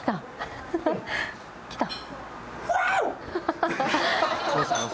来た？